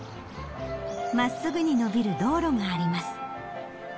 真っすぐに延びる道路があります。